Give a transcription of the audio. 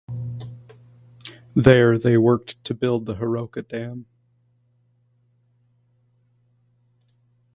There, they worked to build the Hiraoka Dam.